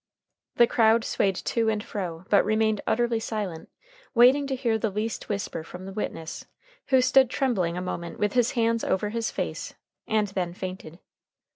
The crowd swayed to and fro, but remained utterly silent, waiting to hear the least whisper from the witness, who stood trembling a moment with his hands over his face, and then fainted.